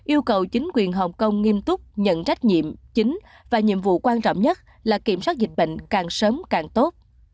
yêu cầu chính quyền hồng kông nghiêm túc nhận trách nhiệm chính và nhiệm vụ quan trọng nhất là kiểm soát dịch bệnh càng sớm càng tốt